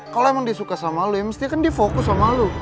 kalo emang dia suka sama lo ya mestinya kan dia fokus sama lo